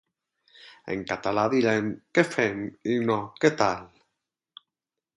En català direm Què fem i no Què tal